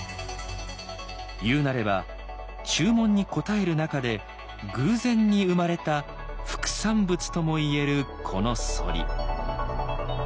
言うなれば注文に応える中で偶然に生まれた副産物とも言えるこの反り。